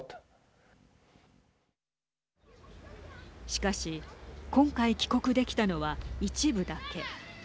しかし今回帰国できたのは一部だけ。